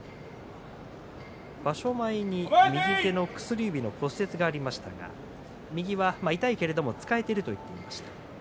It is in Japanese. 場所前に右手の薬指の骨折がありましたが右は痛いけれども使えていると話していました。